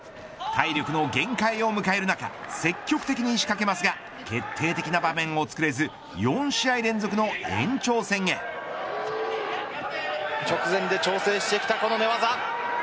体力の限界を迎える中積極的に仕掛けますが決定的な場面をつくれず直前で調整してきたこの寝技。